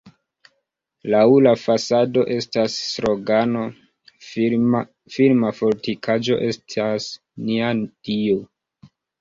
Laŭ la fasado estas slogano: "Firma fortikaĵo estas nia Dio".